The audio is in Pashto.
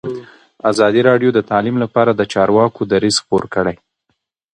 ازادي راډیو د تعلیم لپاره د چارواکو دریځ خپور کړی.